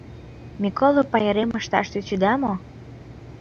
Миколо пайрем ышташ тӧчеда мо?